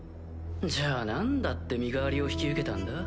じゃあなんだって身代わりを引き受けたんだ？